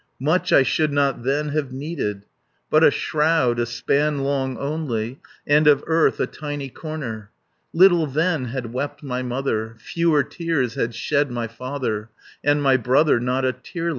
Much I should not then have needed, But a shroud a span long only, And of earth a tiny corner. Little then had wept my mother, Fewer tears had shed my father, And my brother not a tearlet."